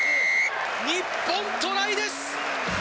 日本、トライです。